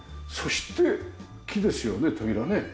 そして木ですよね扉ね。